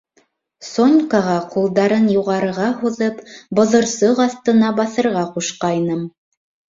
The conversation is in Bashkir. Сонькаға ҡулдарын юғарыға һуҙып боҙорсоҡ аҫтына баҫырға ҡушҡайным.